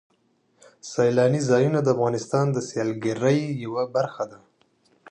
سیلاني ځایونه د افغانستان د سیلګرۍ یوه برخه ده.